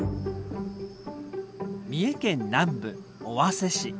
三重県南部尾鷲市。